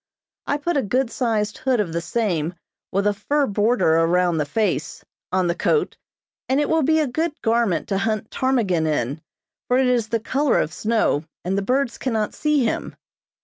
I put a good sized hood of the same, with a fur border around the face, on the coat, and it will be a good garment to hunt ptarmigan in, for it is the color of snow, and the birds cannot see him.